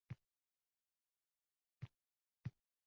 Bobosiga ko‘zi tushgan bola yig‘lavordi.